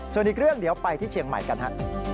ส่วนอีกเรื่องเดี๋ยวไปที่เชียงใหม่กันฮะ